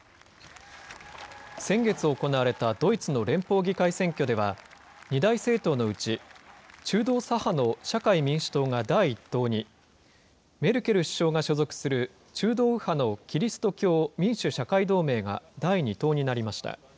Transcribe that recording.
先月行われたドイツの連邦議会選挙では、二大政党のうち、中道左派の社会民主党が第１党に、メルケル首相が所属する中道右派のキリスト教民主・社会同盟が第２党になりました。